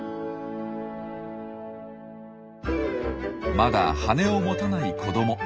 まだ羽を持たない子ども。